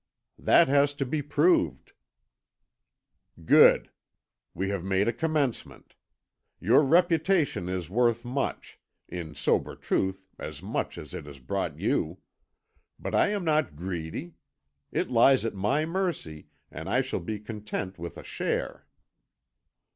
"That has to be proved." "Good. We have made a commencement. Your reputation is worth much in sober truth as much as it has brought you. But I am not greedy. It lies at my mercy, and I shall be content with a share."